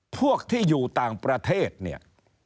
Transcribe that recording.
พวกที่อยู่ต่างประเทศเนี่ย